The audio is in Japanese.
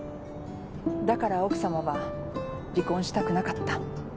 だから奥さまは離婚したくなかった。